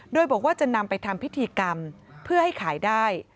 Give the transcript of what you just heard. โดยบอกว่าจะนำไปทำพิธีกรรมเพื่อให้ขายได้